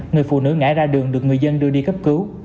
người phụ nữ ngã ra đường được người dân đưa đi cấp cứu